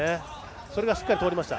それがしっかり通りました。